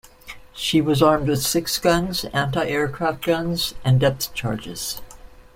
She was armed with six guns, anti-aircraft guns and depth charges.